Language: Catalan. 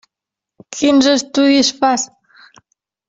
Quins estudis fas?